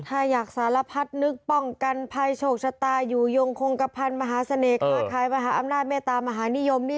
ถ้าอยากสารพัดนึกป้องกันภัยโชคชะตาอยู่ยงคงกระพันธ์มหาเสน่ค้าขายมหาอำนาจเมตามหานิยมนี่